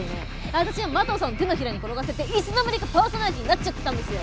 私は麻藤さんの手のひらに転がされていつの間にかパーソナリティーになっちゃってたんですよ！